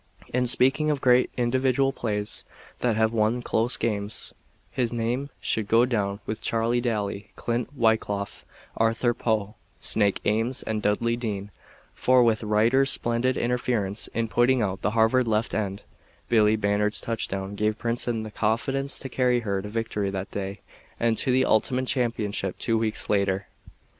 "In speaking of great individual plays that have won close games, his name should go down with Charlie Daly, Clint Wyckoff, Arthur Poe, Snake Ames and Dudley Dean, for with Reiter's splendid interference in putting out the Harvard left end, Billy Bannard's touchdown gave Princeton the confidence to carry her to victory that day and to the ultimate championship two weeks later."